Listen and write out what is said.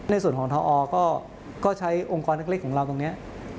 ในส่วนของทอก็ใช้องค์กรนักเรียนของเรานี้